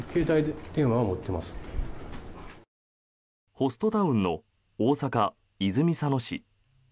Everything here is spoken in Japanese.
ホストタウンの大阪・泉佐野市。